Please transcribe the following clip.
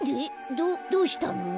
どどうしたの？